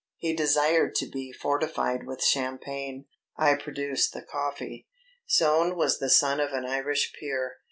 He desired to be fortified with champagne. I produced the coffee. Soane was the son of an Irish peer.